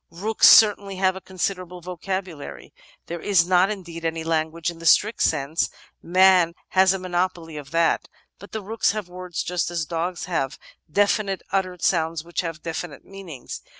Rooks certainly have a considerable vocabulary. There is not, indeed, any language in the strict sense — ^man has a monopoly of that ; but the rooks have words just as dogs have, definite ut tered sounds which have definite meanings.